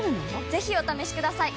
ぜひお試しください！